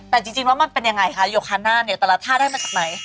แต่จริงแล้วมันเป็นยังไงคะโยคาน่าเนี่ยแต่ละท่าได้มาจากไหน